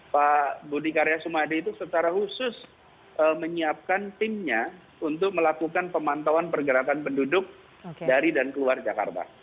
pak budi karya sumadi itu secara khusus menyiapkan timnya untuk melakukan pemantauan pergerakan penduduk dari dan keluar jakarta